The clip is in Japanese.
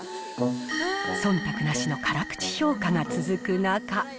そんたくなしの辛口評価が続く中。